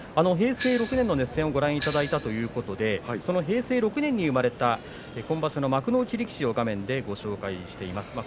平成６年の熱戦をご覧いただいたということで平成６年に生まれた今場所の幕内力士を画面でご紹介しています。